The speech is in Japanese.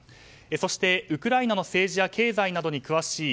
そして、ウクライナの政治や経済などに詳しい